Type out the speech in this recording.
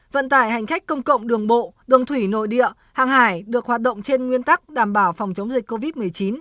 vận tải hành khách công cộng đường bộ đường thủy nội địa hàng hải được hoạt động trên nguyên tắc đảm bảo phòng chống dịch covid một mươi chín